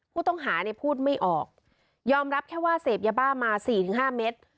ผู้ต้องหาเนี่ยพูดไม่ออกยอมรับแค่ว่าเสพยาบ้ามา๔๕เมตร